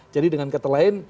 jadi dengan kata lain